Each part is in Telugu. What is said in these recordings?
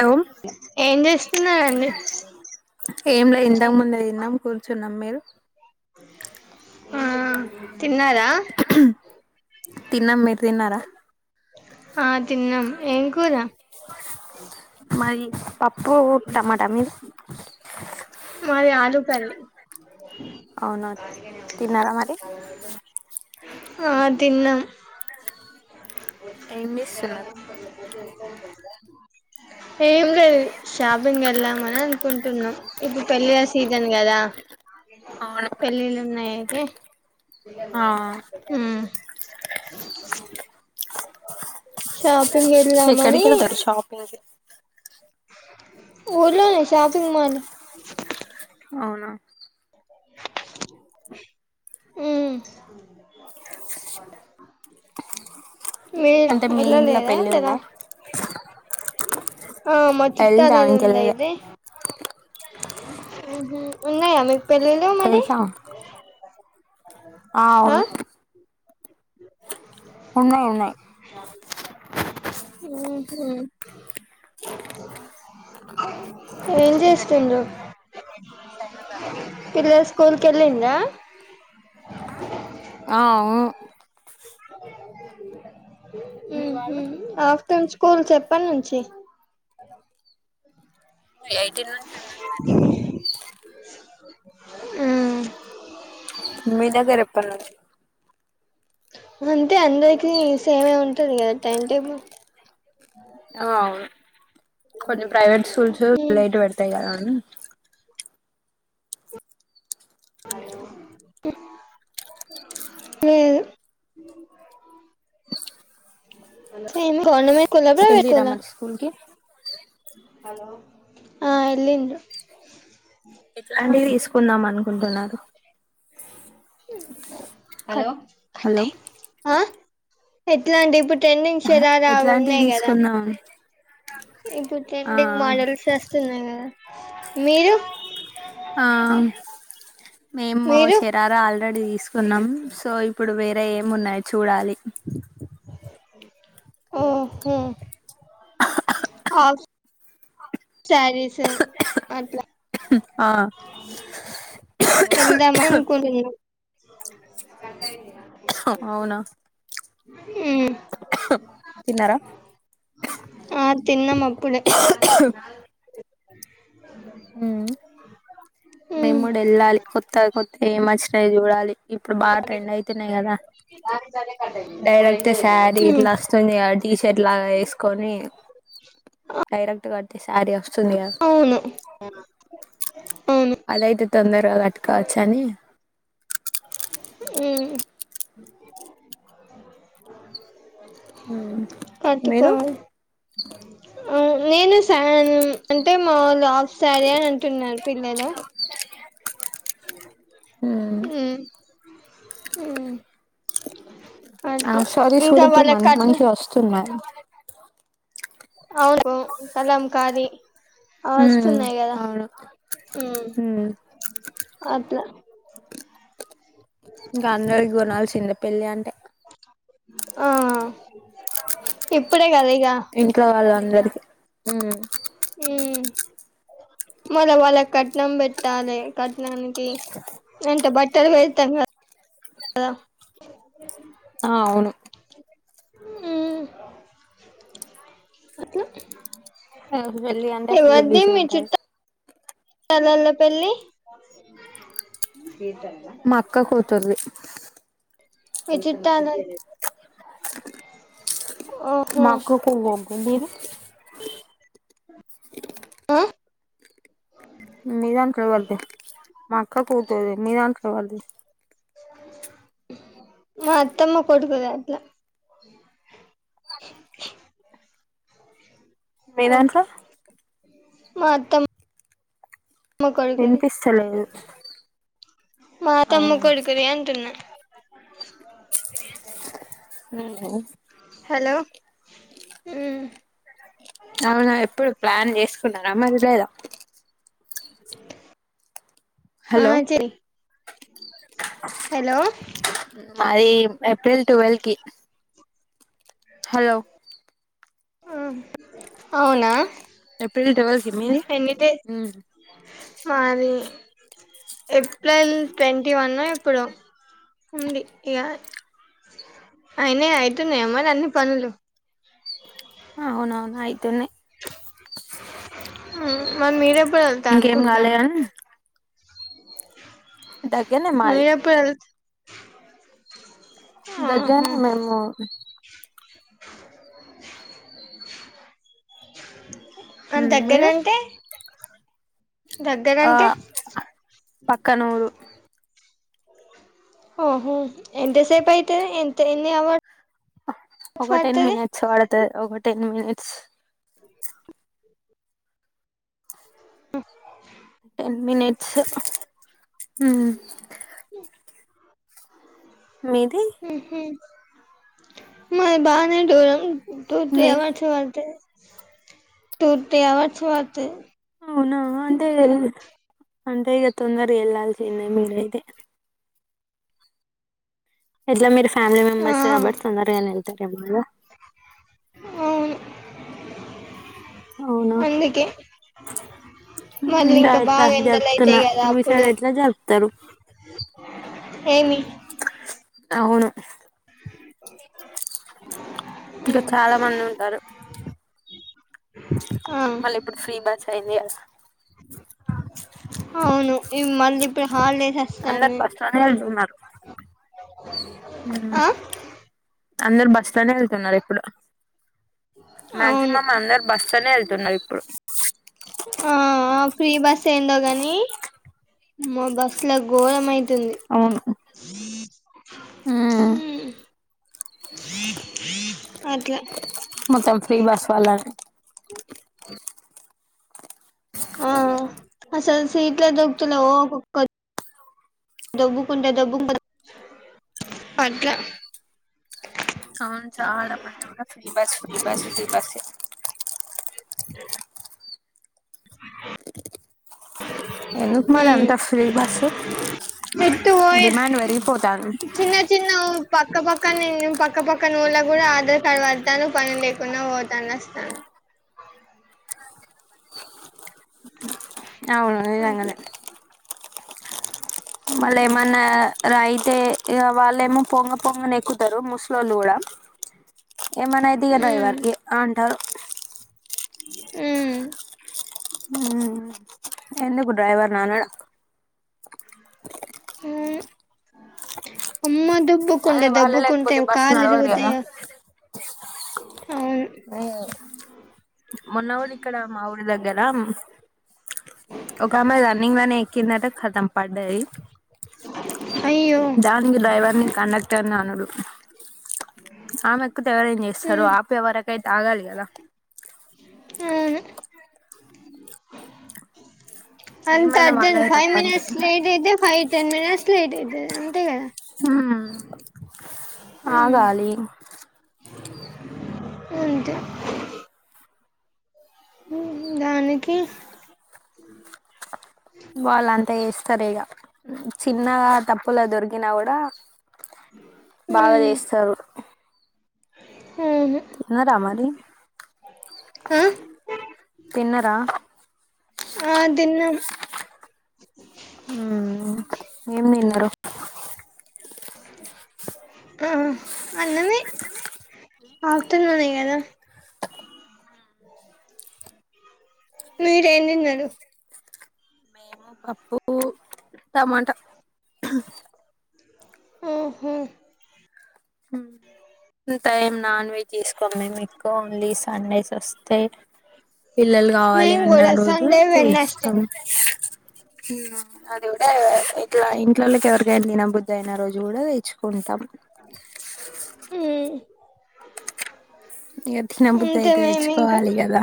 హలో ఏం చేస్తున్నరండి ఏం లే ఇంతకు ముందే తిన్నాం కూర్చున్నాం మీరు ఆ తిన్నారా తిన్నాం మీరు తిన్నారా ఆ తిన్నాం ఏం కూర మా ది పప్పు టమాటా మీది తది అవున తిన్నారా మరి ఆ తిన్నాం ఏం చేస్తున్నారు [unintelligible] ఏం లేదు షాపింగ్ వెళ్దామని అనుకుంటున్నాం ఇప్పుడు పెళ్ళిల సీ జన్ కదా అవును పెళ్ళిళ్ళు ఉన్నాయి ఏ ఆ హ్మ్ షాపింగ్ ఎక్కడికి ఎల్దమని వెళ్తారు షాపింగ్ కి ఊర్లోనే షాపింగ్ మాల్ అవునా హుమ్ మీర్ అంటే మీ ఇంట్లో ఎలల్లేద పెళ్ళి జరా ఉందా ఆ మ వెళ్దాం చుట్టాలదే అండి ఇంకెళ్ళలే ఇది ఉన్నాయ మి పెళ్ళిళ్ళు మరి తెలుసా ఆ అవును ఉన్నాయి ఉన్నాయి హుమ్ హు ఏం ఇంకా డేట్ చేస్తుండవ్ ఫిక్స్ కాలే డేట్ ఫిక్స్ అయిన తర్వాత పిల్లల్ స్కూల్ కెల్లిందా ఆ అవును మీ హుమ్ హు వాళ్ళు ఆఫ్టర్నూన్ స్కూల్ ఎప్పనుంచి ఎయిటీన్ నుంచి అన్నారు మరి హ్మ్ మీ దగ్గర ఎప్పటి నుండి వన్ అయితే అందరికి సేమే ఉంటది కదా టైం టేబుల్ కొంచెం ప్రైవేట్ స్కూల్స్ లేటు పెడతాయి కదా అని లేదు నేను కొండమీద ఎల్లి రామను స్కూల్ కి ఆ ఎల్లిందు ఇట్లాంటి వి తీసుకుందాం అనుకుంటున్నారు హలో ఆ ఎట్లా అంటి ఇప్పుడు టెన్నింగ్స్లాలా ఎట్లాంటివి వుఉన్నాయి కదా తీసుకుందాం ఇప్పుడు ఆ ట్రెండింగ్ మోడల్స్ వస్తున్నాయి కదా మీరు ఆ మేము మీరు శరారా ఆల్రెడీ తీసుకు కున్నాం సో ఇప్పుడు వేరే ఏం ఉన్నాయి చూడాలి ఓహో హా ఫస్ శ్వారీ సే అట్లా ఆ వెళ్దామ అనుకున్నా కట్టయిందిరా అవునా తిన్నారా ఆ తిన్నాం అప్పుడే హ మేమ్ హ్మ్ గూడ వెల్లాలి కొత్త కొత్త ఏం మచ్చినాయి చూడాలి ఇప్పుడు బాగా ట్రెండ్ అయితున్నాయి కదా డైరెక్ట్ శారీ ఇట్లా వస్తుంది తీసే ఇట్లా వేసుకొని డైరెక్ట్గా శ్యా ర్వవస్త అవును అవును అలా అయితే తొందరగా కట్టుకోవచ్చ అని హ్మ్ మీరు కట్టుకోవాలి నేను సాడన్ అంటే మా వులు ఆఫ్సారీ యా అని అంటున్నారు పిల్లలు అ ఆ ఆ సారీస్ కూడా ఇప్పుడు మంచి మంచిగా వస్తున్నాయి అవును కలం కారీ అ ఉమ్ వస్తున్నాయి కదా అవును ఉమ్ అట్లా ఇంకా అందరికి కొనాల్సిందే పెళ్ళి అంటే ఆ ఇప్పుడే కదా ఇగ ఇంట్లో వాళ్ళు అందరికి ఉమ్ ఉమ్ మళ్ళా వాళ్ళకి కట్నం పెట్టాలి కట్నానికి అంటే బట్టలు పెడతాం కదా ఆ అవును ఉమ్ అట్లా పెళ్ళి అంటే ఫుల్ బిజీ ఉంటది ఏలల్లో పెళ్లి ఇతంగా తొర్రి మీ చుట్టలు మా అక్కకు గుతుర్ మీది ఆ మీదంట్లో ఎవర్ది మాఅక్క కూతుర్ది మీదంట్లో ఎవర్ది మా అత్తమ్మ కొడుకుదా అట్లా అట్లా మీదాంట్లో మా అత్తమ్ అమ్మ కొడుకునీ వినిపిస్తలేదు మా అత్తమ్మ అవునా కొడుకునీ అంటున్నా వున హలో వున అవునా ఎప్పుడు ప్లాన్ చేసుకున్నారా మరి లేదా ఆ హలో చెయ్ హలో మది ఏప్రిల్ టుల్ల్వ్ కి హలో ఆ అవునా ఏప్రిల్ టువేల్ కి మీది ఎన్ని డేస్ ఉ మాది... ఏప్రిల్ ట్వన్ ఇవల్న ఎప్పుడో ఉంది ఇగ అయినయ అయితున్నాయ మరి అన్ని పనులు ఆ ఔనఔను అయితున్నాయి. ఊ... మరి మీరు ఎప్పుడు ఇంకేం కాలే వెళ్తాననుకుంటారు గాని దగ్గరనే మాది మీరు ఎప్పుడు ఎల్ ఆహా దగ్గరనే మేము అన్ మీరు దగ్గరంటే ఆ దగ్గరంటే పక్కనూరు ఓహో ఎంతసేపు అయితది ఎంత ఎన్ని అవర్స్ ఒక టెన్ పడుతది మినిట్స్ పడతది ఒక టెన్ మినిట్స్ ఉ టెన్ మినిట్స్ హు మీది మాది బానే దూరం టు త్రీ మీది అవర్స్ పడతది టూ త్రీ అవర్స్ పడతది అవునా అంటే అంటే ఇగ తొందర గా యెళ్లాల్సిందే మీరైతే ఎట్లా మీరు ఫ్యామిలీ ఆ మెంబెర్స్ కాబట్టి తొందరగనే వెళ్తారేమో కదా అవును అవునా అందుకే మళ్ళీ ఇంగ ఇంకా అట్లా బాగా ఎండలు అయితాయి జరుపుతున్నా, కదా అప్పుడు మీసైడ్ ఎట్లా జరుపుతారు ఏమి అవును ఇంకా చాలా మంది ఉంటారు ఆ మళ్ళీ ఇప్పుడు ఫ్రీ బస్ సైది గా అవును మళ్ళీ ఇప్పుడు హాలిడేస్ అందరు అస్తాన్నాయ్ బస్ లోనే వెళ్తున్నారు ఉమ్, ఆ అందరు బస్సులోనే యెళ్తున్నారు ఇప్పుడు అవును మాక్సిమం అందరు బస్సులోనే యెళ్తున్నారు ఇప్పుడు ఆ ఫ్రీ బస్ ఏందో గాని మా బస్సు లో ఘోరం అయి తుంది అవును ఉమ్, హూ అట్లా మొత్తం ఫ్రీ బస్ వల్లనే ఆ అసలు సీట్లే దొరుక్కుతలేవ్ ఒక్కొక్క దబ్బుకుంట దబ్బుకుంట అట్లా అవును చాలా మంది కూడా free bus free bus free బసే ఎందుకు మాళ్ళ ఉమ్ ఎంత ఫ్రీ బస్ ఎటు పోయే డిమాండ్ పెరిగిపోతాంది పక్కపక్క నే పక్కపక్క నొల్లు కూడా ఆధార్ కార్డ్ వాడతాను పని లేకుండా పోతాను వస్తాండు అవును నిజంగానే అ మళ్ళా ఏమన్నా రయితే ఇగ వాళ్ళేమె పొంగ పొంగన ఎక్కుతారు ముస్ లోల్లు కూడా ఏమన్నా అయితే ఇక డ్రైవర్ కే అంటారు మ్మ్ హ్మ్ ఎందుకు డైవర్ అనడ హ్మ్ అమ్మద్దు దొబ్బు కుంటే అదే దొబ్బు వాళ్ళే కుంటే లేకపోతే బస్సు కాలు నడవదు ఇరుగుతాయి కదా గా పొమ [inaudible] మొన్న కూడా ఇక్కడ మా ఊరి దగ్. దలమ్ ఒక ఆమె రన్నింగ్ లోనే ఎక్కిందాట ఖతం పడ్డది. అయ్యో దానికి డ్రైవర్ ని కండక్టర్ ని అనడు ఆమె ఎక్కతే వాళ్ళేం చేస్తారు ఉమ్ ఆపే వరకు ఆగలిగా. కదా ఉను అంత ఏమైనా అర్జెంట్ వాళ్ళదే ఫైవ్ తప్పండి మినిట్స్ లేట్ అయితే ఫైవ్ టెన్ మినిట్స్ లేట్ అయితాది అంతే కదా. ఆ. ఉమ్ ఆగాలి. అంతే. ఉహు దానికి. వాళ్ళు అంతా చేస్తారు ఇగ చిన్నగా తప్పులో దొరికిిన కూడా. బాగా చేస్తారు. సుసూ. తిన్నరా మరి ఆ తిన్నరా. ఆ తిన్నం. హ్మ్ ఏం తిన్నారు. ఆహ అన్నమే ఆఫ్టర్నూన్ ఎ కదా. మీరేం తిన్నారు. ఆ పప్పు. టమాటా ఓహో. ఉంటాయి నాన్ వె తీసుకోం మేము ఎక్కువ ఓన్లీ సండేస్ వస్తే పిల్లలు కావాలి మేము అన్న కూడా రోజు సండే వెడ్నెస్డే చేస్తాం. ఉన్నా అది కూడా ఇట్లా ఇంట్లో లోకి ఎవరి. తిన్న బుద్దయిన రోజు కూడా తెచ్చుకుంటాం. ఉ తినబుద్దయితే ఇంకా తెచ్చుకోవాలి కదా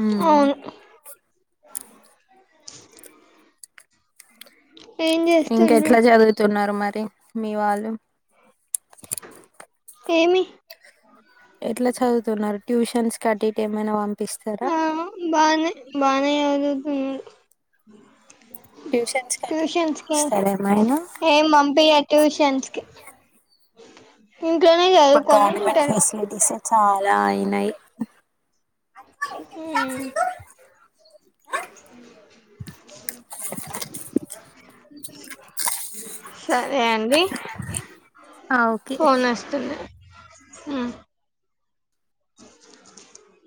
ఉ చుక్. ఇంకా చేస్తుండ్రు ఎట్లా చదువుతున్నారు మరి. మీ వాళ్ళు ఏమి ఎట్లా చదువుతున్నారు ట్యూషన్స్. కటికే మన వాంత్ ఇస్తరా ఆ బానే బానే చదువుతున్నారు ట్యూషన్స్ కట్ట ట్యూషన్స్ కి పంపిస్తారు ఏమైనా నేన్ పంపియ ట్యూషన్స్ కి ఇంట్లోనె ఇప్పుడు చదువుకొని గవర్నమెంట్ ఉంటారు ఫెసిలిటీస్ చాలా అయినాయి ఊ సరే అండి ఆ ఓకే ఫోన్ వొస్తుంది ఉ